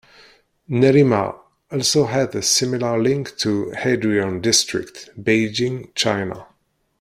Nerima also has a similar link to Haidian District, Beijing, China.